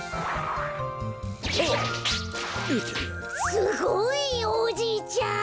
すごい！おじいちゃん。